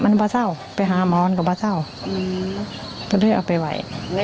มันพาเศร้าไปหาม้อนก็ไปเจ้าเพื่อนก็แค่เอาไปไว่